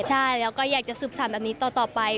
ใช่เราก็อยากจะสึบสั่นแบบนี้ต่อไป